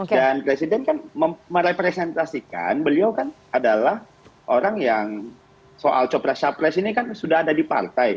dan presiden kan merepresentasikan beliau kan adalah orang yang soal coprasya pres ini kan sudah ada di partai